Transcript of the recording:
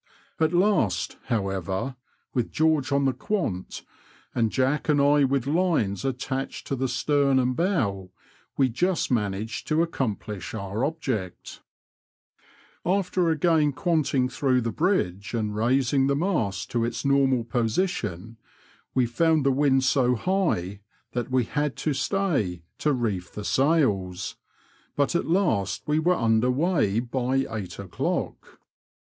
At last, however, with George on the quant and Jack and I with lines attached to the stem and bow, we just managed to accomplish our object: After again quanting through the bridge and raising the mast to its normal position, we found the wind so high that we had to stay to reef the sails ; but at last we were under weigh by eight o'clock.